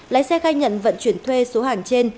lái xe khai nhận vận chuyển thuê số hàng trên